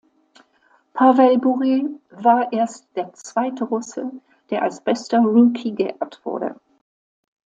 Pawel Bure war erst der zweite Russe, der als bester Rookie geehrt wurde.